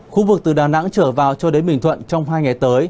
khu vực từ đà nẵng trở vào cho đến bình thuận trong hai ngày tới